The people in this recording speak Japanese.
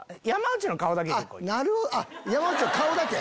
あっ山内の顔だけ！